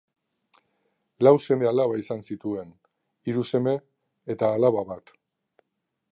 Lau seme-alaba izan zituen, hiru seme eta alaba bat.